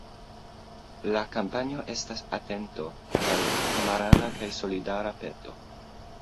La kampanjo estas atento al homarana kaj solidara peto.